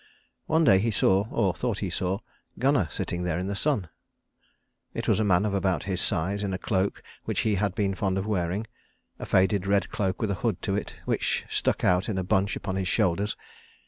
One day he saw, or thought he saw, Gunnar sitting there in the sun. It was a man of about his size in a cloak which he had been fond of wearing; a faded red cloak with a hood to it which stuck out in a bunch upon his shoulders.